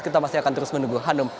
kita masih akan terus menunggu hanum